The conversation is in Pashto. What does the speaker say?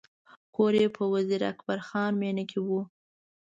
کور یې په وزیر اکبر خان مېنه کې و.